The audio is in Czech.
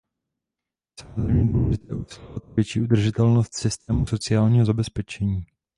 Je samozřejmě důležité usilovat o větší udržitelnost systémů sociálního zabezpečení.